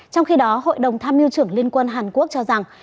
trong khi đó hội đồng tham mưu trưởng liên quân hàn quốc cho rằng